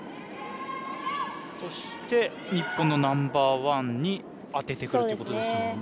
日本のナンバーワンに当ててくるということですよね。